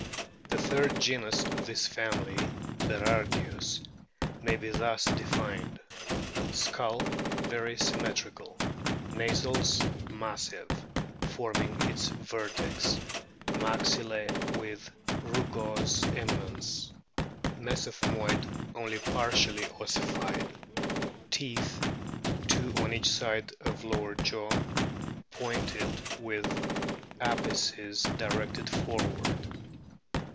The third genus of this family, BERARDIUS, may be thus defined : Skull very symmetrical ; nasals massive, forming its vertex ; maxillae with a rugose eminence ; mesethmoid only partially ossified. Teeth two on each side of lower jaw, pointed with apices directed forward.